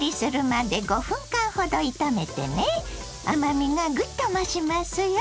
甘みがぐっと増しますよ。